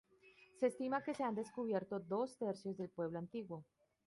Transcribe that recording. Se estima que se han descubierto dos tercios del pueblo antiguo.